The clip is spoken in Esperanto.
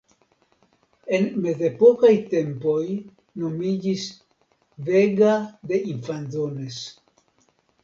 En mezepokaj tempoj nomiĝis Vega de Infanzones.